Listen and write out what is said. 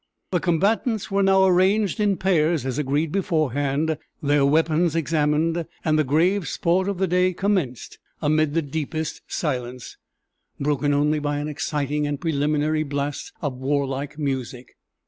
The combatants were now arranged in pairs, as agreed beforehand; their weapons examined; and the grave sports of the day commenced amid the deepest silence broken only by an exciting and preliminary blast of warlike music.